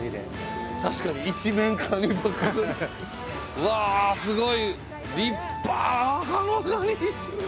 うわすごい！